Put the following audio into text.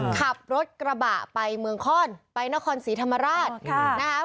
ขับรถกระบะไปเมืองคล่อนไปนครศรีธรรมราชนะครับ